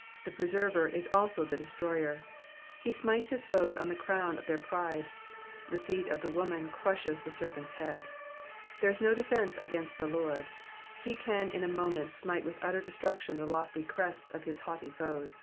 '*' The Preserver is also the Destroyer. He smites his foes on the crown of their pride. The seed of the woman crushes the serpent's head. There is no defence against the Lord, ho can in a moment smite with utter destruction the lofty crests of his haughty foes.